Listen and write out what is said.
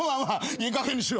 いいかげんにしろ。